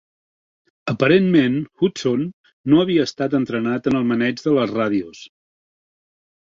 Aparentment, Hudson no havia estat entrenat en el maneig de les ràdios.